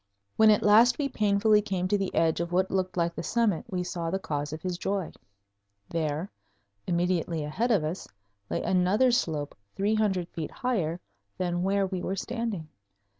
When at last we painfully came to the edge of what looked like the summit we saw the cause of his joy. There, immediately ahead of us, lay another slope three hundred feet higher than where we were standing.